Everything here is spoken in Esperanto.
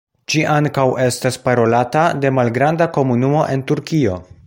Ĝi ankaŭ estas parolata de malgranda komunumo en Turkio.